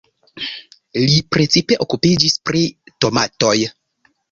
Li precipe okupiĝis pri tomatoj.